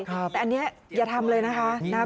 แต่อันนี้อย่าทำเลยนะคะนะครับ